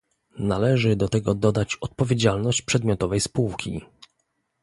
Należy do tego dodać odpowiedzialność przedmiotowej spółki